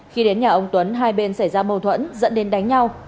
khi đến nhà ông tuấn hai bên xảy ra mâu thuẫn dẫn đến đánh nhau